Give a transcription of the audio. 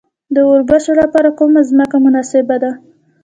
د وربشو لپاره کومه ځمکه مناسبه ده؟